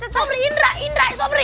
sumpri indra indra sumpri